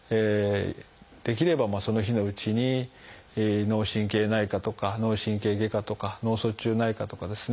できればその日のうちに脳神経内科とか脳神経外科とか脳卒中内科とかですね